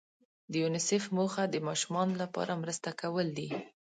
د یونیسف موخه د ماشومانو لپاره مرسته کول دي.